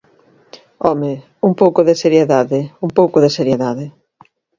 ¡Home, un pouco de seriedade, un pouco de seriedade!